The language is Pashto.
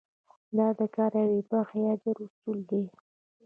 دا د کار د یوې برخې اجرا اصول دي.